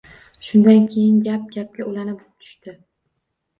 Shundan keyin gap gapga ulana tushdi